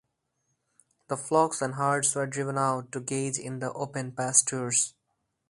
The flocks and herds were driven out to graze in the open pastures.